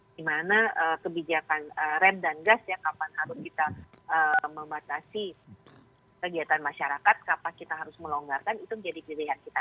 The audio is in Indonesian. dimana kebijakan rem dan gas ya kapan harus kita membatasi kegiatan masyarakat kapan kita harus melonggarkan itu menjadi pilihan kita